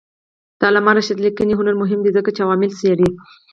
د علامه رشاد لیکنی هنر مهم دی ځکه چې عوامل څېړي.